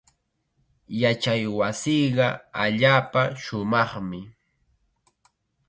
Yachaywasiiqa allaapa shumaqmi.